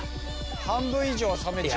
半分以上は冷めちゃう。